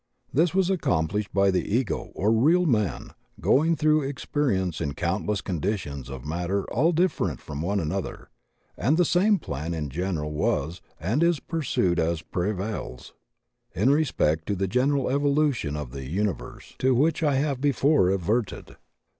This was accomplished by the ego or real man going througli experience in coimdess conditions of matter all differ ent one from the other, and the same plan in general was and is pursued as prevails in respect to the general evolution of the universe to which I have before ad verted.